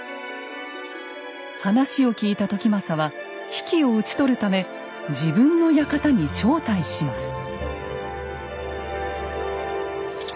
話を聞いた時政は比企を討ち取るため自分の館に招待します。